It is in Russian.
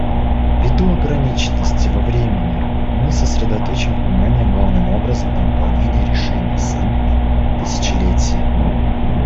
Ввиду ограниченности во времени мы сосредоточим внимание главным образом на выполнении решений Саммита тысячелетия.